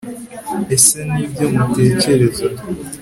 ese nibyo mutekereza